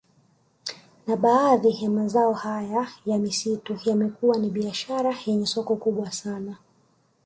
Na baadhi ya mazao haya ya misitu yamekuwa ni biashara yenye soko kubwa sana